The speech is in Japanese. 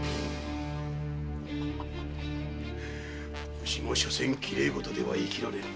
武士もしょせんきれいごとでは生きられん。